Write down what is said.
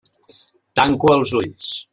Tanco els ulls.